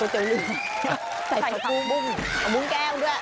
ใส่ผักบุ้งเอาบุ้งแก้วด้วย